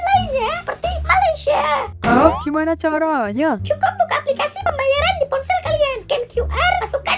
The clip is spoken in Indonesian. lainnya seperti malaysia cukup buka aplikasi pembayaran di ponsel kalian scan qr masukkan